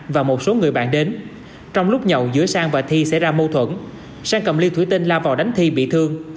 lại đến trong lúc nhậu giữa sang và thi xảy ra mâu thuẫn sang cầm ly thủy tinh la vào đánh thi bị thương